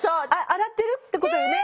洗ってるってことよね？